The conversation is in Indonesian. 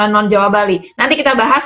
non jawa bali nanti kita bahas